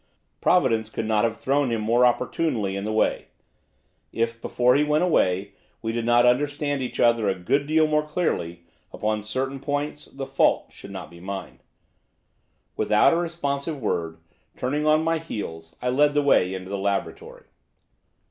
Providence could not have thrown him more opportunely in the way. If, before he went away, we did not understand each other a good deal more clearly, upon certain points, the fault should not be mine. Without a responsive word, turning on my heels, I led the way into the laboratory.